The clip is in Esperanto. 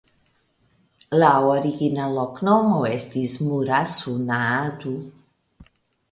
La origina loknomo estis "Murasu Naadu".